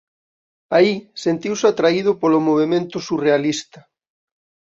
Aí sentiuse atraído polo movemento surrealista.